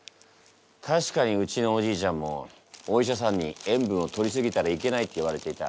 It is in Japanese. たしかにうちのおじいちゃんもお医者さんに塩分をとりすぎたらいけないって言われていた。